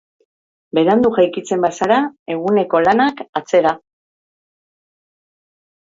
Berandu jaikitzen bazara, eguneko lanak atzera.